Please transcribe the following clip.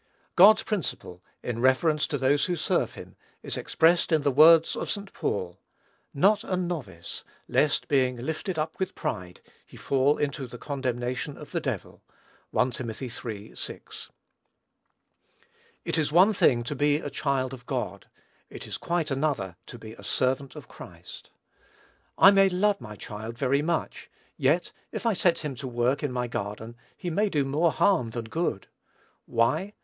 God's principle, in reference to those who serve him, is expressed in those words of St. Paul, "not a novice, lest being lifted up with pride, he fall into the condemnation of the devil." (1 Tim. iii. 6.) It is one thing to be a child of God; it is quite another to be a servant of Christ. I may love my child very much, yet, if I set him to work in my garden, he may do more harm than good. Why?